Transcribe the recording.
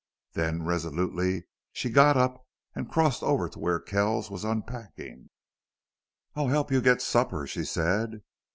Then, resolutely, she got up and crossed over to where Kells was unpacking. "I'll help you get supper," she said.